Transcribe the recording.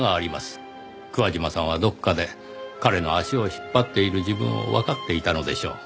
桑島さんはどこかで彼の足を引っ張っている自分をわかっていたのでしょう。